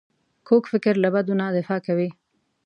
کوږ فکر له بدو نه دفاع کوي